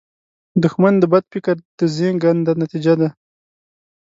دښمن د بد فکر د زیږنده نتیجه ده